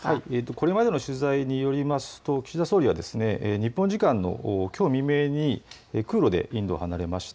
これまでの取材によると岸田総理は日本時間のきょう未明に、空路でインドを離れました。